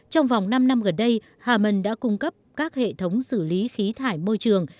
trong vòng năm năm gần đây haman đã cung cấp các hệ thống xử lý khí thải môi trường